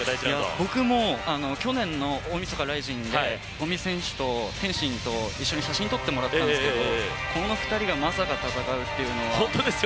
僕も、去年の大みそかＲＩＺＩＮにいて五味選手と天心と一緒に写真撮ってもらったんですけどこの２人がまさか戦うというのは。